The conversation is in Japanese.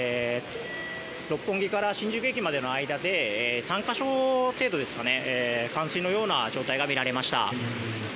六本木から新宿駅までの間で３か所程度冠水のような状態が見られました。